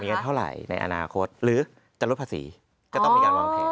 เงินเท่าไหร่ในอนาคตหรือจะลดภาษีก็ต้องมีการวางแผน